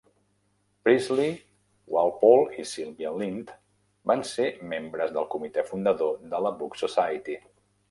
Priestley, Walpole i Sylvia Lynd van ser membres del comitè fundador de la Book Society.